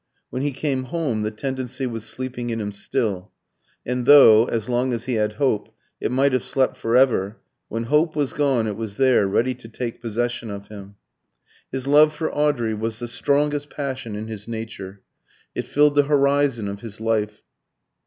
When he came home the tendency was sleeping in him still; and though, as long as he had hope, it might have slept for ever, when hope was gone it was there, ready to take possession of him. His love for Audrey was the strongest passion in his nature. It filled the horizon of his life.